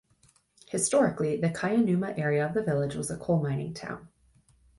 Historically, the Kayanuma area of the village was a coal mining town.